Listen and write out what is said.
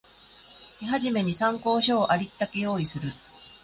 手始めに参考書をありったけ用意する